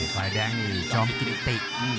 ไฟละแดงนี่จอมกิติติ